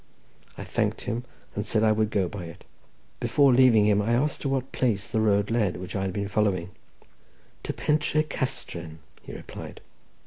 I thanked him, and said I would go by it; before leaving him, I asked to what place the road led which I had been following. "To Pentre Castren," he replied.